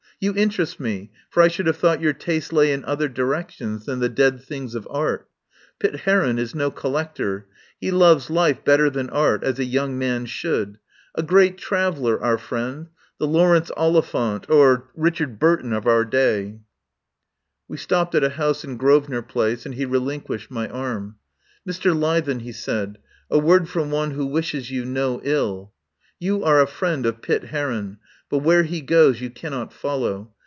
You interest me for I should have thought your taste lay in other directions than the dead things of art. Pitt Heron is no collector. He loves life better than art, as a young man should. A great traveller our friend — the Laurence Oliphant or Richard Burton of our day." 109 THE POWER HOUSE We stopped at a house in Grosvenor Place, and he relinquished my arm. "Mr. Leithen," he said, "a word from one who wishes you no ill. You are a friend of Pitt Heron, but where he goes you cannot follow.